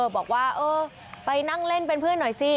บอกว่าเออไปนั่งเล่นเป็นเพื่อนหน่อยสิ